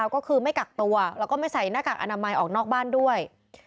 ก็คือไม่กักตัวแล้วก็ไม่ใส่หน้ากากอนามัยออกนอกบ้านด้วย